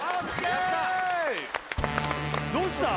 どうした？